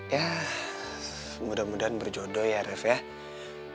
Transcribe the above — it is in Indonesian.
ya mudah mudahan berjodoh ya ref ya